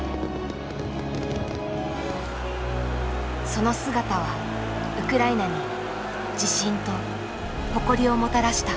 その姿はウクライナに「自信」と「誇り」をもたらした。